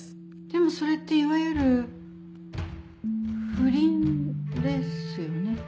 でもそれっていわゆる不倫ですよね。